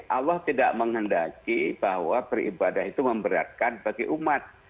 allah tidak menghendaki bahwa beribadah itu memberatkan bagi umat